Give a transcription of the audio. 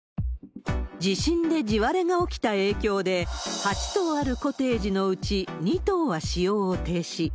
地震で地割れが起きた影響で、８棟あるコテージのうち、２棟は使用を停止。